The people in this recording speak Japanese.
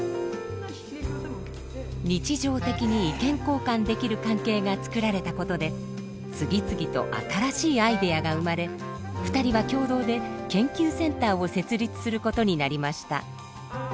日常的に意見交換できる関係が作られたことで次々と新しいアイデアが生まれ２人は共同で研究センターを設立することになりました。